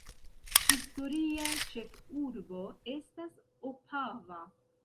Historia ĉefurbo estas Opava.